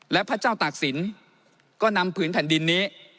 และพระเจ้าตากศิลป์ก็นำผืนแผ่นดินนี้